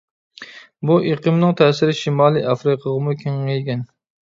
بۇ ئېقىمنىڭ تەسىرى شىمالىي ئافرىقىغىمۇ كېڭەيگەن.